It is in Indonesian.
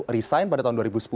resign pada tahun dua ribu sepuluh